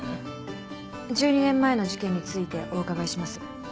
１２年前の事件についてお伺いします。